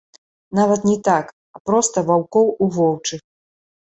Нават не так, а проста ваўкоў у воўчых.